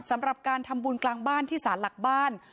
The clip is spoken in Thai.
สำหรับการทำบุญกลางบ้านที่สารหลักบ้าน